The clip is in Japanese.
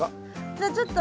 じゃあちょっと。